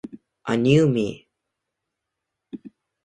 A new me.